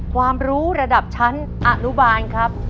ความรู้ระดับชั้นอนุบาลครับ